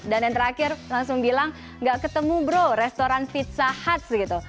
dan yang terakhir langsung bilang tidak ketemu bro restoran pizza hut